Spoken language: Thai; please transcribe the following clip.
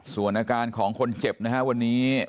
ส่วนอาการของคนเจ็บนะฮะวันนี้